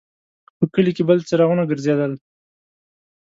په کلي کې بل څراغونه ګرځېدل.